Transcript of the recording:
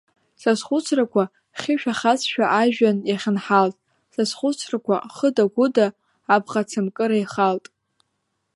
Са схәыцрақәа хьы шәахәацшәа ажәҩан иахьынҳалт, са схәыцрақәа хыда-гәыда абӷацамкыра ихалт.